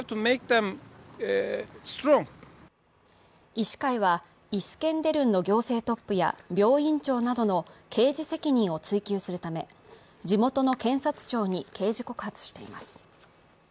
医師会はイスケンデルンの行政トップや病院長などの刑事責任を追及するため、地元の検察庁に刑事告発しています。